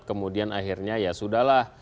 kemudian akhirnya ya sudah lah